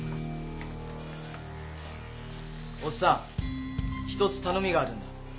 おっさん１つ頼みがあるんだ。